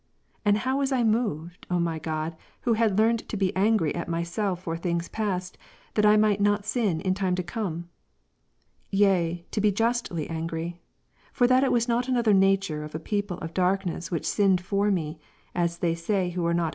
And how was I 2G. moved, O my God, who had now learned to be angry at myself for things past, that I might not sin in time to come ! Yea, to be justly angry; forthat it was not another nature? of a people of darkness which sinned for me, as they say who are not Kom.